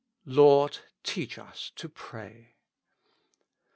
" Lord, teach us to pray."